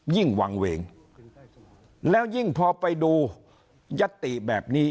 ยิ่งวางเวงแล้วยิ่งพอไปดูยัตติแบบนี้